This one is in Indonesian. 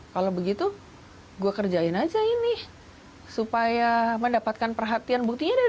kalau begitu gue kerjain saja ini supaya mendapatkan perhatian